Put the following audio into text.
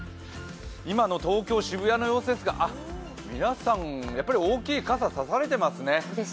今の東京・渋谷の様子ですが、皆さん、大きい傘、差されてますね。